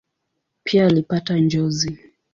Pia alipata njozi.